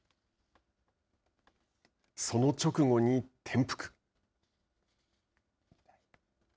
その直後に転覆。